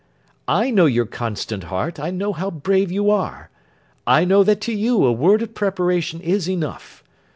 I know your constant heart, I know how brave you are, I know that to you a word of preparation is enough.